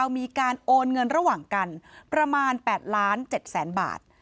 มีการโอนเงินระหว่างกันประมาณ๘๗๐๐๐๐๐บาท